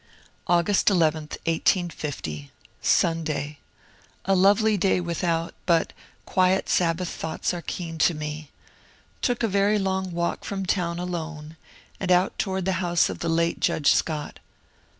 Augfust 11, 1850. Sunday. A lovely day without, — but quiet Sabbath thoughts are keen to me. Took a very long walk from town alone, and out toward the house of the late Judge Scott.